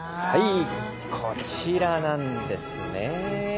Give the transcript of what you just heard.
はいこちらなんですね。